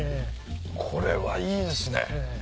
これはいいですね。